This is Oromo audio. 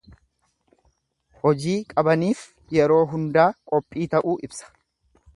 Hojii qabaniif yeroo hundaa qophi ta'uu ibsa.